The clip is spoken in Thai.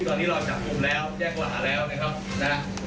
ตอนนี้เราจับกลุ่มแล้วแจ้งกว่าหาแล้วนะครับนะ